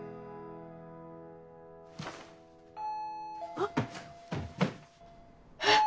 あっ⁉えっ！